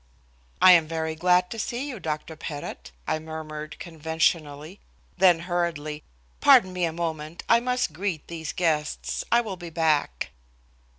"I am very glad to see you, Dr. Pettit," I murmured conventionally, then hurriedly: "Pardon me a moment, I must greet these guests. I will be back."